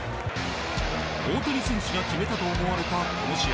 大谷選手が決めたと思われたこの試合